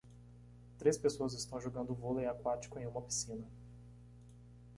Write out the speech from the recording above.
Três pessoas estão jogando vôlei aquático em uma piscina